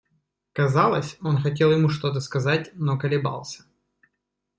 Казалось, он хотел ему что-то сказать, но колебался.